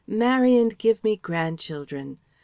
Marry and give me grandchildren."